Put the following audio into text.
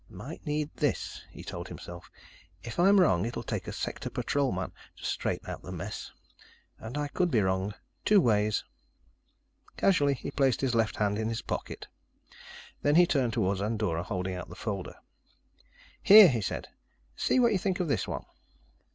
"Might need this," he told himself. "If I'm wrong, it'll take a sector patrolman to straighten out the mess. And I could be wrong two ways." Casually, he placed his left hand in his pocket, then he turned toward Andorra, holding out the folder. "Here," he said. "See what you think of this one."